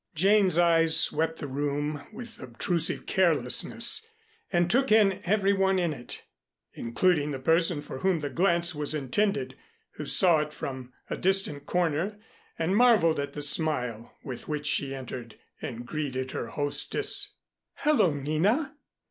Jane's eyes swept the room with obtrusive carelessness, and took in every one in it, including the person for whom the glance was intended, who saw it from a distant corner, and marveled at the smile with which she entered and greeted her hostess. "Hello, Nina!